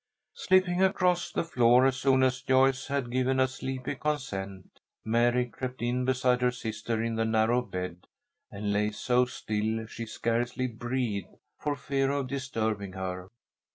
Slipping across the floor as soon as Joyce had given a sleepy consent, Mary crept in beside her sister in the narrow bed, and lay so still she scarcely breathed, for fear of disturbing her.